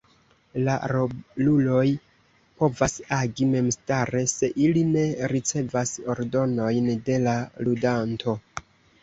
La roluloj povas agi memstare se ili ne ricevas ordonojn de la ludanto.